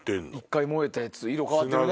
１回燃えたやつ色変わってる。